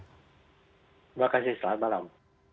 terima kasih selamat malam